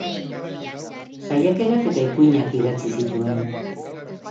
Saiakerak eta ipuinak idatzi zituen.